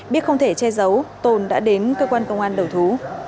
biết không thể che giấu tồn đã đến cơ quan công an đầu thú